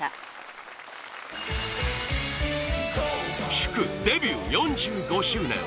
祝デビュー４５周年！